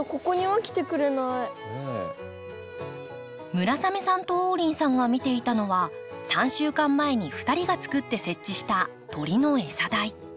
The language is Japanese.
村雨さんと王林さんが見ていたのは３週間前に２人が作って設置した鳥の餌台。